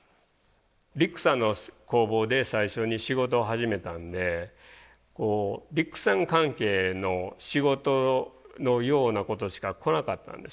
リックさんの工房で最初に仕事を始めたんでリックさん関係の仕事のようなことしか来なかったんですね。